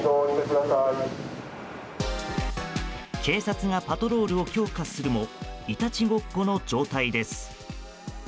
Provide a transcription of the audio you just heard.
警察がパトロールを強化するもいたちごっこの状態です。